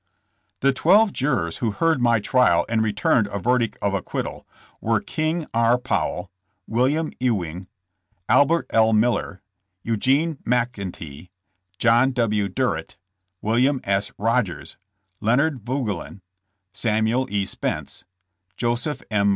The twelve jurors who heard my trial and re turned a verdict of acquittal, were King R. Powell, William Ewing, Albert L. Miller, Eugene McEntee, John J. Durrett, William S. Rodgers, Leonard Veugelen, Samuel E. Spence, Joseph M.